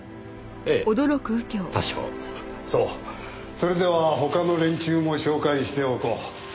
それでは他の連中も紹介しておこう。